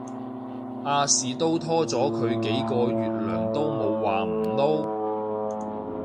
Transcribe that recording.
亞視都拖咗佢幾個月糧都冇話唔撈